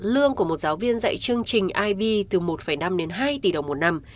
lương của một giáo viên dạy chương trình ib từ một năm đến hai tỷ đồng một năm